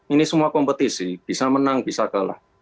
ini semua kompetisi bisa menang bisa kalah